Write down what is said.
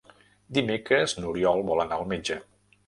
Dimecres n'Oriol vol anar al metge.